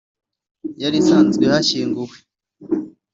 yari isanzwe ihashyinguye